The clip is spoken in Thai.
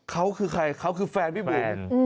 เขาคือใครเขาคือแฟนพี่บุ๋ม